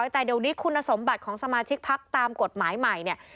แต่เดี๋ยวนี้คุณสมบัติของสมาชิกพักตามกฎหมายใหม่เนี่ย